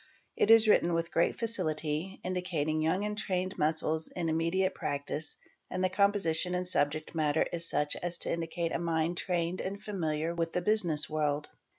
It is written with great facility, indica in young and trained muscles in immediate practice, and the compositi and subject matter is such as to indicate a mind trained and famili with the business world.